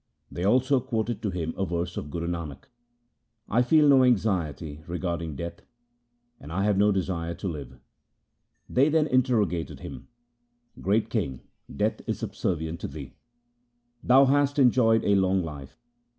They also quoted to him a verse of Guru Nanak :— 1 feel no anxiety regarding death, and I have no desire to live. They then interrogated him :' Great king, death is subservient to thee. Thou hast enjoyed a long life.